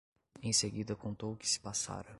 Em seguida contou o que se passara.